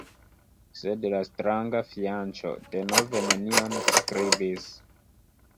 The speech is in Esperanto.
Sed la stranga fianĉo denove nenion skribis.